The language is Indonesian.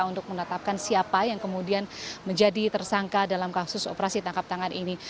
untuk menetapkan siapa yang kemudian menjadi tersangka dalam kasus operasi tangkap tangan ini